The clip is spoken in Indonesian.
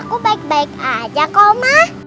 aku baik baik aja kok oma